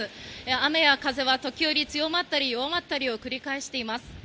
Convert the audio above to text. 雨や風は時折強まったり弱まったりを繰り返しています。